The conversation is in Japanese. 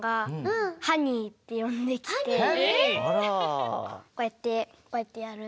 なんかこうやってこうやってやる。